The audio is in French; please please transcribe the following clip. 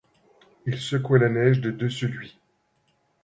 Il secouait la neige de dessus lui.